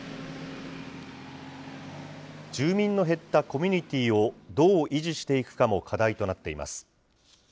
住民の減ったコミュニティーをどう維持していくかも課題になっています。